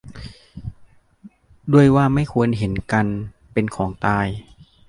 ด้วยว่าไม่ควรเห็นกันเป็นของตาย